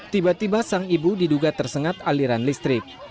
tiba tiba sang ibu diduga tersengat aliran listrik